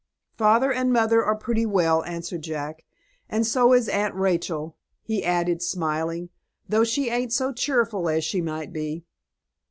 "Father and mother are pretty well," answered Jack, "and so is Aunt Rachel," he added, smiling; "though she ain't so cheerful as she might be."